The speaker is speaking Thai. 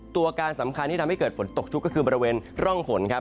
ตัวการสำคัญที่ทำให้เกิดฝนตกชุกก็คือบริเวณร่องฝนครับ